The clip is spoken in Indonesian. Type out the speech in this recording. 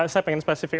saya ingin spesifik